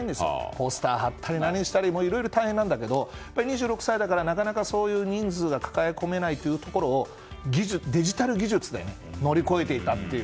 ポスターを貼ったりとかいろいろ大変なんだけど２６歳だからなかなかそういう人数が抱え込めないところをデジタル技術で乗り越えていたという。